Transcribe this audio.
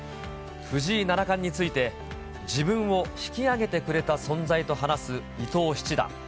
藤井七冠について、自分を引き上げてくれた存在と話す伊藤七段。